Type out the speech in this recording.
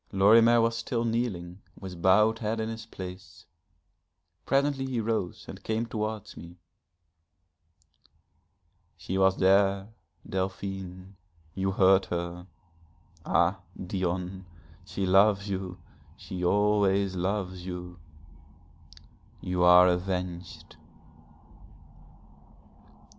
Lorimer was still kneeling with bowed head in his place. Presently he rose and came towards me. 'She was there Delphine you heard her. Ah, Dion, she loves you, she always loves you, you are avenged.'